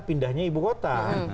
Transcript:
pindahnya ibu kota